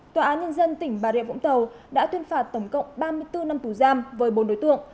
tòa án nhân dân tỉnh bà rịa vũng tàu đã tuyên phạt tổng cộng ba mươi bốn năm tù giam với bốn đối tượng